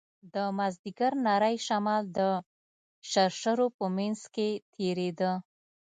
د مازديګر نرى شمال د شرشرو په منځ کښې تېرېده.